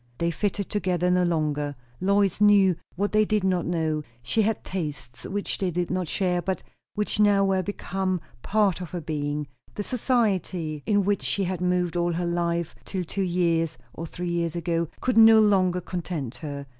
They fitted together no longer. Lois knew what they did not know; she had tastes which they did not share, but which now were become part of her being; the society in which she had moved all her life till two years, or three years, ago, could no longer content her.